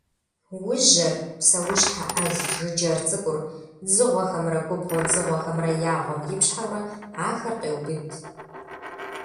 Ужьэр, псэущхьэ ӏэл жыджэр цӏыкӏур, дзыгъуэхэмрэ губгъуэ дзыгъуэхэмрэ я гъуэхэм ипщхьэурэ ахэр къеубыд.